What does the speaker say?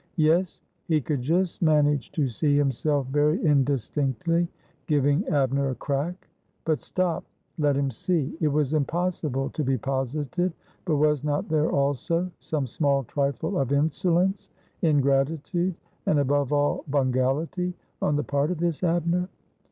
Yes! he could just manage to see himself very indistinctly giving Abner a crack; but stop! let him see, it was impossible to be positive, but was not there also some small trifle of insolence, ingratitude, and above all bungality, on the part of this Abner?